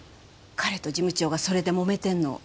彼と事務長がそれでもめてるのを。